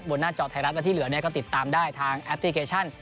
หน้าจอไทยรัฐและที่เหลือเนี่ยก็ติดตามได้ทางแอปพลิเคชัน